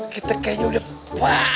kita kayaknya udah pas banget